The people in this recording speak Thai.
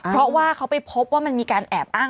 เพราะว่าเขาไปพบว่ามันมีการแอบอ้าง